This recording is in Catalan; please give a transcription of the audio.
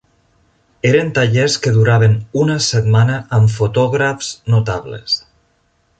Eren tallers que duraven una setmana amb fotògrafs notables.